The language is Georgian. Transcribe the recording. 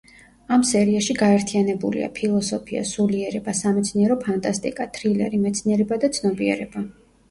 ამ სერიაში გაერთიანებულია: ფილოსოფია, სულიერება, სამეცნიერო ფანტასტიკა, თრილერი, მეცნიერება და ცნობიერება.